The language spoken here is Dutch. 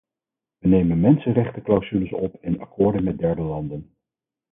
We nemen mensenrechtenclausules op in akkoorden met derde landen.